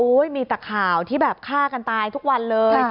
มีแต่ข่าวที่แบบฆ่ากันตายทุกวันเลย